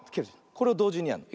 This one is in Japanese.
これをどうじにやるの。